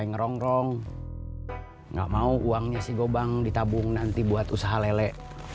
istrinya si gobang ditabung nanti buat usaha lele